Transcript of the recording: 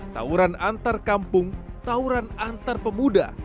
tawuran antar kampung tawuran antar pemuda